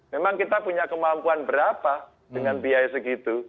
memang kita punya kemampuan berapa dengan biaya segitu